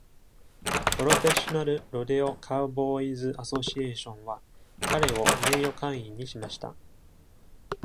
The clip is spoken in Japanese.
プロフェッショナル・ロデオ・カウボーイズ・アソシエーションは彼を名誉会員にしました。